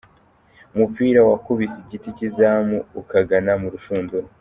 umupira wakubise igiti cy’izamu ukagana mu rushundura.